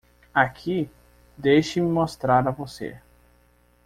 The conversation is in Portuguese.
Aqui?, deixe-me mostrar a você.